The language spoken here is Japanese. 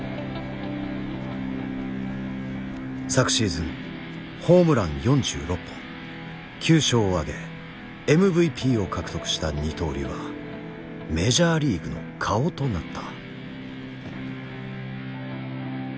昨シーズンホームラン４６本９勝をあげＭＶＰを獲得した二刀流はメジャーリーグの顔となった。